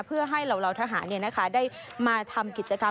เพื่อให้เหล่าทหารเนี่ยนะคะได้มาทำกิจกรรม